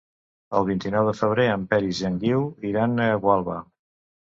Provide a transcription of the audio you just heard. El vint-i-nou de febrer en Peris i en Guiu iran a Gualba.